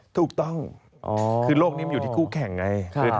ถูกต้องคือโลกนี้มันอยู่ที่คู่แข่งไง